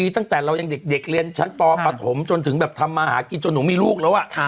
ตั้งแต่เรายังเด็กเรียนชั้นปปฐมจนถึงแบบทำมาหากินจนหนูมีลูกแล้ว